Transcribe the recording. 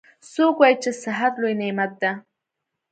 څوک وایي چې صحت لوی نعمت ده